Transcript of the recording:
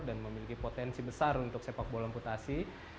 dan memiliki potensi besar untuk sepak bola amputasi